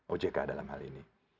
ojk dalam hal ini